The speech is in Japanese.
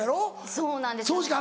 そうなんですよね。